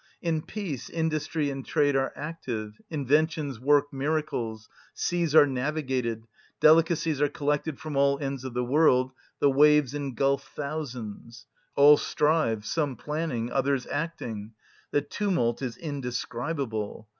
In peace industry and trade are active, inventions work miracles, seas are navigated, delicacies are collected from all ends of the world, the waves engulf thousands. All strive, some planning, others acting; the tumult is indescribable.